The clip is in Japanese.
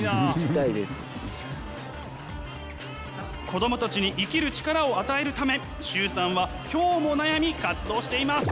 子供たちに生きる力を与えるため崇さんは今日も悩み活動しています！